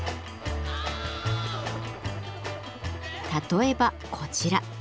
例えばこちら。